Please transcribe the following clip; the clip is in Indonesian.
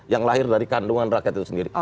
yang lahir dari kandungan rakyat itu sendiri